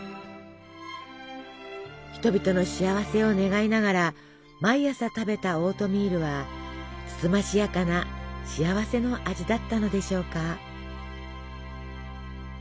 人々の幸せを願いながら毎朝食べたオートミールはつつましやかな幸せの味だったのでしょうか。